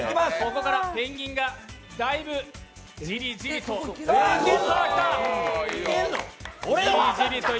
ここからペンギンがだいぶジリジリと。